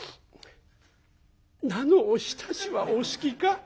「菜のおひたしはお好きか？」。